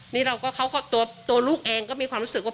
นี่ตัวลูกเองมีความรู้สึกว่า